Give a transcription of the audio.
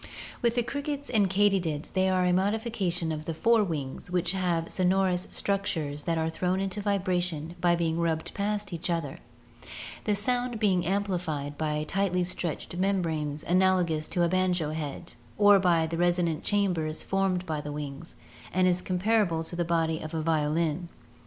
With the crickets and katydids they are a modification of the fore wings, which have sonorous structures that are thrown into vibration by being rubbed past each other, the sound being amplified by tightly stretched membranes analogous to a banjo head, or by resonant chambers formed by the wings, and comparable to the body of a violin.